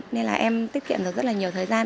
nên là em tiết kiệm được rất là nhiều thời gian